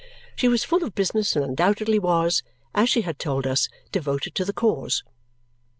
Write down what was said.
She was full of business and undoubtedly was, as she had told us, devoted to the cause.